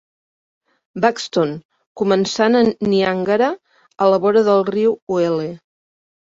Buxton, començant a Niangara a la vora del riu Uele.